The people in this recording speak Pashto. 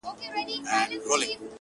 د ستن او تار خبري ډيري شې دي ـ